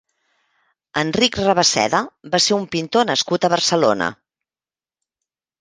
Enric Rabasseda va ser un pintor nascut a Barcelona.